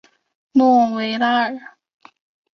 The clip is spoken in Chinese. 诺维拉尔。